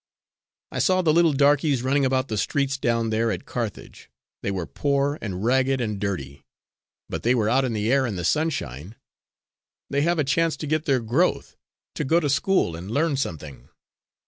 I saw the little darkies running about the streets down there at Carthage; they were poor and ragged and dirty, but they were out in the air and the sunshine; they have a chance to get their growth; to go to school and learn something.